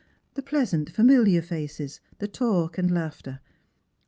— the pleasant familiar facos, the talk and laughter.